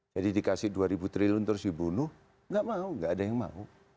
jadi dikasih dua ribu triliun terus dibunuh tidak mau tidak ada yang mau